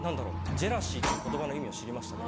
ジェラシーっていう言葉の意味を知りましたね。